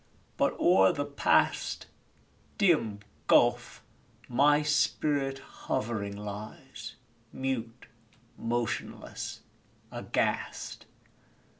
but o'er the Past (Dim gulf!) my spirit hovering lies Mute, motionless, aghast!